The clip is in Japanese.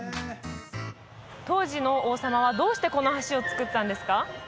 当時の王様はどうしてこの橋をつくったんですか？